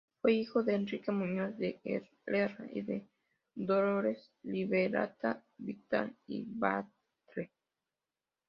Fue hijo de Enrique Muñoz de Herrera y de Dolores Liberata Vidal y Batlle.